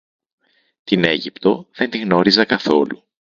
Την Αίγυπτο δεν τη γνώριζα καθόλου